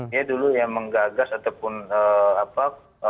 dia dulu yang menggagas ataupun apa